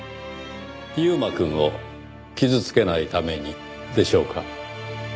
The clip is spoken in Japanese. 優馬くんを傷つけないためにでしょうか？